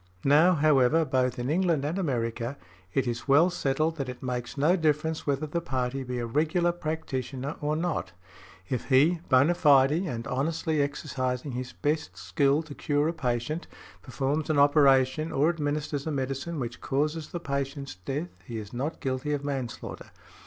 Now, however, both in England and America, it is well settled that it makes no difference whether the party be a regular practitioner or not; if he, bona fide and honestly exercising his best skill to cure a patient, performs an operation or administers a medicine which causes the patient's death he is not guilty of manslaughter.